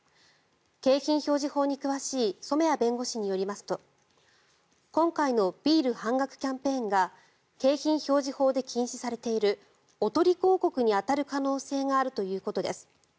景品表示法に詳しい染谷弁護士によりますと今回のビール半額キャンペーンが景品表示法で禁止されているおとり広告に当たる可能性があるということです。